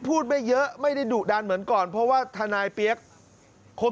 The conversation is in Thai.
พูดไม่เยอะไม่ได้ดุดันเหมือนก่อนเพราะว่าทนายเปี๊ยกคน